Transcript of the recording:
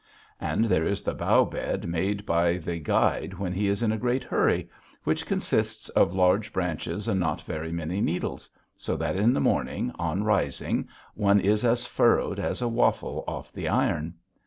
And there is the bough bed made by the guide when he is in a great hurry, which consists of large branches and not very many needles. So that in the morning, on rising, one is as furrowed as a waffle off the iron.